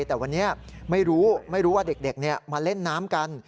แต่วันนี้ไม่รู้ไม่รู้ว่าเด็กมาเล่นน้ำกัน